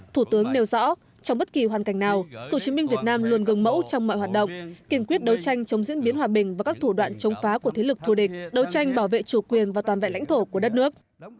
thủ tướng nêu rõ trong bất kỳ hoàn cảnh nào cựu chiến binh việt nam luôn gương mẫu trong mọi hoạt động kiên quyết đấu tranh chống diễn biến hòa bình và các thủ đoạn chống phá của thế lực thù địch đấu tranh bảo vệ chủ quyền và toàn vẹn lãnh thổ của đất nước